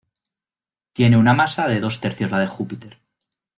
Tiene una masa de dos tercios la de Júpiter.